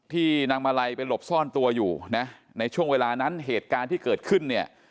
นางมาลัยไปหลบซ่อนตัวอยู่นะในช่วงเวลานั้นเหตุการณ์ที่เกิดขึ้นเนี่ย